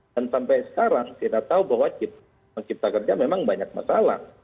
dan sampai sekarang kita tahu bahwa kita kerja memang banyak masalah